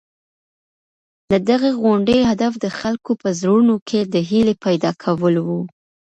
د دغي غونډې هدف د خلکو په زړونو کي د هیلې پیدا کول وو.